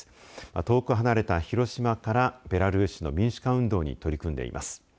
遠く離れた広島からベラルーシの民主化運動に取り組んでいます。